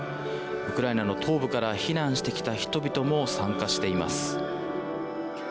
ウクライナの東部から避難してきた人々も参加しています。